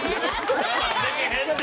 我慢できへんって！